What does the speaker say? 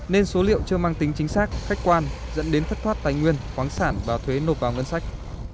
nên số liệu chưa mang tính chính xác khách quan dẫn đến thất thoát tài nguyên khoáng sản và thuế nộp vào ngân sách